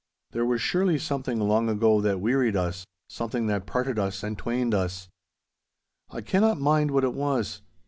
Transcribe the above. There was surely something long ago that wearied us, something that parted us and twained us. I cannot mind what it was.